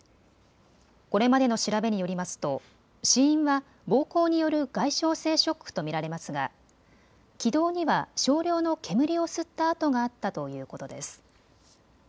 これまでの調べによりますと死因は暴行による外傷性ショックと見られますが気道には少量の煙を吸った痕があったということです。